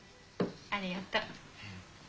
ありがとう。